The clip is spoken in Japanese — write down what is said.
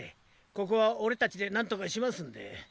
ここは俺たちでなんとかしますんで。